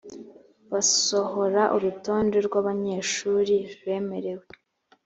basohora urutonde rw abanyeshuri bemerewe